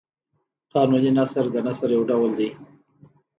قانوني نثر د نثر یو ډول دﺉ.